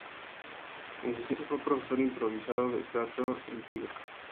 En sus inicios fue profesor improvisado de teatro en Tigre.